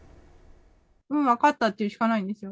うん、分かったって言うしかないんですよ。